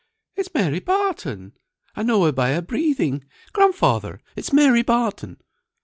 "It's Mary Barton! I know her by her breathing! Grandfather, it's Mary Barton!"